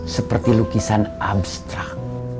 seperti lukisan abstrak